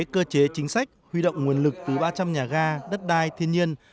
cơ chế chính sách huy động nguồn lực từ ba trăm linh nhà ga đất đai thiên nhiên